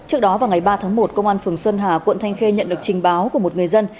trước đó vào ngày ba tháng một công an phường xuân hà quận thanh khê nhận được trình báo của một người dân